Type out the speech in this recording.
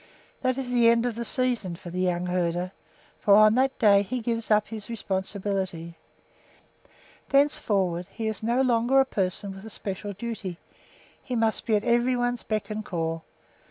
That is the end of the season for the young herder, for on that day he gives up his responsibility. Thenceforward he is no longer a person with a special duty; he must be at every one's beck and call.